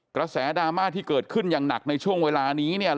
กระแสดราม่าที่เกิดขึ้นอย่างหนักในช่วงเวลานี้เนี่ย